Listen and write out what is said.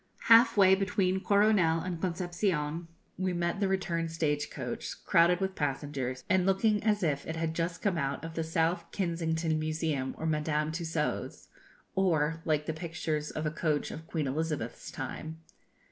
Half way between Coronel and Concepcion, we met the return stage coach, crowded with passengers, and looking as if it had just come out of the South Kensington Museum or Madame Tussaud's, or like the pictures of a coach of Queen Elizabeth's time.